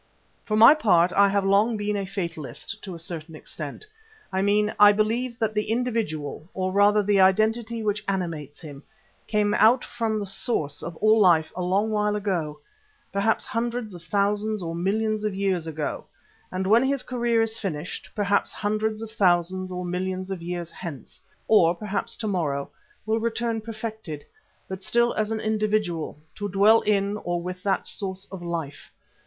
For my part I have long been a fatalist, to a certain extent. I mean I believe that the individual, or rather the identity which animates him, came out from the Source of all life a long while, perhaps hundreds of thousands or millions of years ago, and when his career is finished, perhaps hundreds of thousands or millions of years hence, or perhaps to morrow, will return perfected, but still as an individual, to dwell in or with that Source of Life.